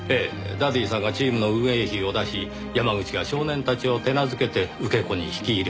ダディさんがチームの運営費を出し山口が少年たちを手なずけて受け子に引き入れていた。